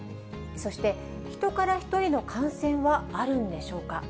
そして、人から人への感染はあるんでしょうか。